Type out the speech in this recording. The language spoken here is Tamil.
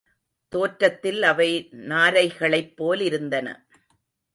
தோற்றத்தில் அவை நாரைகளைப் போலிருந்தன.